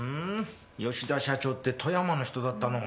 吉田社長って富山の人だったの。